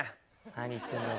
何言ってんだよ